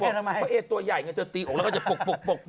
เพราะเอ๊ตัวใหญ่อย่างนั้นจะตีอกแล้วก็จะปกปกปกปก